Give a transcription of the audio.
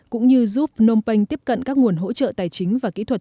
cũng như giúp phnom penh tiếp cận các nguồn hỗ trợ tài chính và kỹ thuật